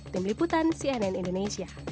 tim liputan cnn indonesia